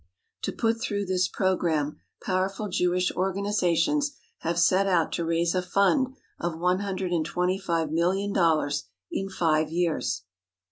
To put through this programme powerful Jewish organizations have set out to raise a fund of one hundred and twenty five million dollars in five years.